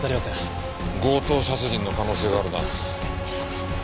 強盗殺人の可能性があるな。